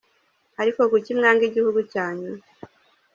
ariko kuki mwanga igihugu cyanyu ?